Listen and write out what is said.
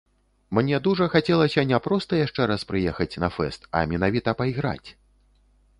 Мне дужа хацелася не проста яшчэ раз прыехаць на фэст, а менавіта пайграць.